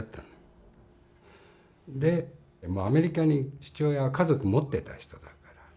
でアメリカに父親は家族持ってた人だから。